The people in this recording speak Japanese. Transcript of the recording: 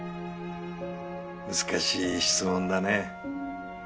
難しい質問だね。